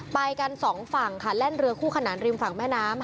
ไปกันสองฝั่งค่ะแล่นเรือคู่ขนานริมฝั่งแม่น้ำ